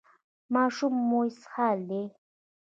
ماشوم مو اسهال دی؟